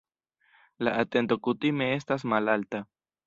La atento kutime estas malalta.